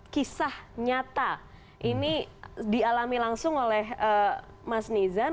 kisah nyata ini dialami langsung oleh mas nizam